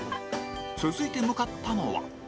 続いて向かったのは